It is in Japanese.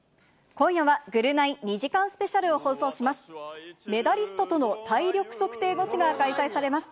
今夜は、ぐるナイ２時間スペシャルを放送します。